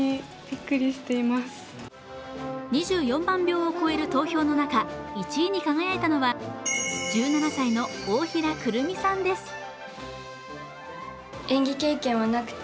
２４万票を超える投票の中、１位に輝いたのは１７歳の大平くるみさんです。